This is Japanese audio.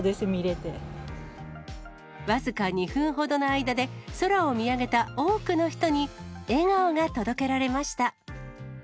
僅か２分ほどの間で、空を見上げた多くの人に、笑顔が届けられました。